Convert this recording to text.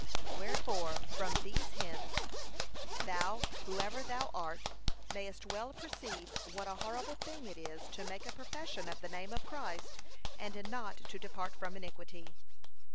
Wherefore, from these few hints, thou, whoever thou art, mayest well perceive what a horrible thing it is to make a profession of the name of Christ, and not to depart from iniquity.